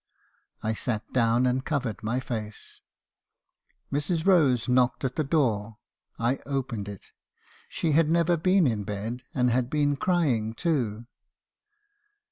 "I sat down and covered my face. Mrs. Rose knocked at the door. I opened it. She had never been in bed, and had been crying too.